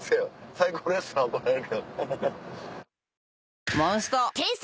『最高レストラン』怒られる。